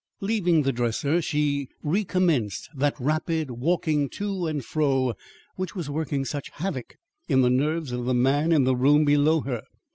Leaving the dresser she recommenced that rapid walking to and fro which was working such havoc in the nerves of the man in the room below her.